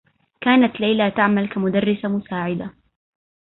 كانت ليلى تعمل كمدرّسة مساعدة.